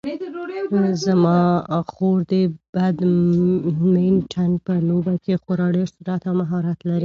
زما خور د بدمینټن په لوبه کې خورا ډېر سرعت او مهارت لري.